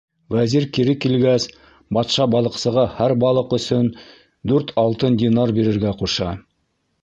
Вәзир кире килгәс, батша балыҡсыға һәр балыҡ өсөн дүрт алтын динар бирергә ҡуша.